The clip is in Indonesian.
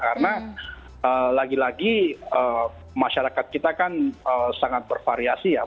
karena lagi lagi masyarakat kita kan sangat bervariasi ya